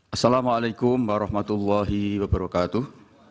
assalamu alaikum warahmatullahi wabarakatuh